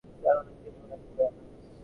কারো নাম তিনি মনে রাখতে পারেন না।